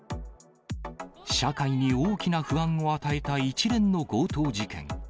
社会に大きな不安を与えた一連の強盗事件。